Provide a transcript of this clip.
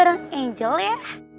asal bukanya gue mengambil baby